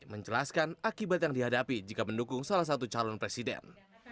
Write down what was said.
menjelaskan akibat yang dihadapi jika mendukung salah satu calon presiden